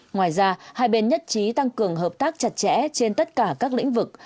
ngoài ra hai bên nhất trí tăng cường hợp tác chặt chẽ trên tất cả các lĩnh vực